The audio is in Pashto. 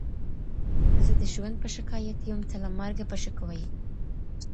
زه د ژوند په شکايت يم، ته له مرگه په شکوه يې.